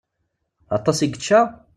Aṭas i yečča?